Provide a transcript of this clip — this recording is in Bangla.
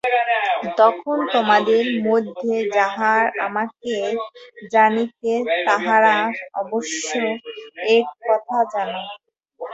তখন তোমাদের মধ্যে যাহারা আমাকে জানিতে, তাহারা অবশ্য এ-কথা জান।